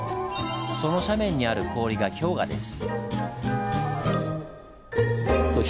その斜面にある氷が氷河です。